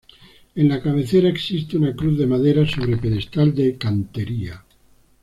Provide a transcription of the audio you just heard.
En la cabecera existe una cruz de madera sobre pedestal de cantería.